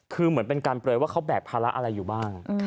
คือเหมือนเป็นการเปลยว่าเขาแบกภาระอะไรอยู่บ้าง